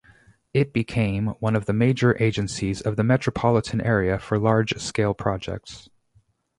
It became one of the major agencies of the metropolitan area for large-scale projects.